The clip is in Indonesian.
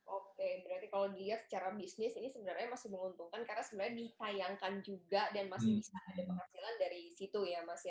oke berarti kalau dilihat secara bisnis ini sebenarnya masih menguntungkan karena sebenarnya ditayangkan juga dan masih bisa ada penghasilan dari situ ya mas ya